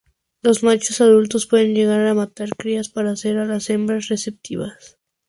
Los machos adultos pueden llegar a matar crías para hacer a las hembras receptivas.